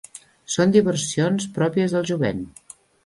Són diversions pròpies del jovent.